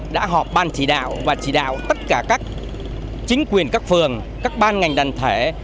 đã họp ban chỉ đạo và chỉ đạo tất cả các chính quyền các phường các ban ngành đoàn thể